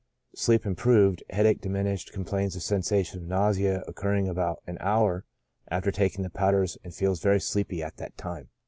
Sleep improved ; headache di minished ; complains of a sensation of nausea occurring about an hour after taking the powders, and feels sleepy at that time.